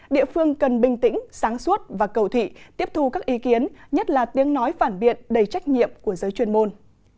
địa phương cần bình tĩnh sáng suốt và cầu thị tiếp thu các ý kiến nhất là tiếng nói phản biện đầy trách nhiệm của giới chuyên môn